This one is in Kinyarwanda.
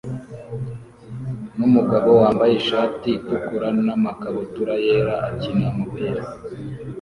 numugabo wambaye ishati itukura namakabutura yera akina umupira